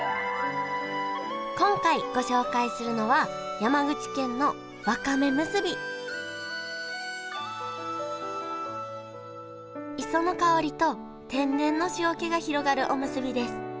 今回ご紹介するのは磯の香りと天然の塩気が広がるおむすびです。